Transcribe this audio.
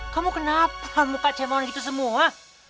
kamu kenapa muka cemawan gitu semua